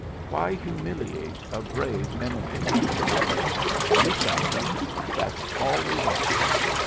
^^ Why humiliate a brave enemy t '' he inquired. ^* We've got them. That is all we want."